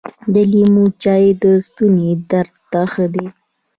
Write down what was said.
د لیمو چای د ستوني درد ته ښه دي .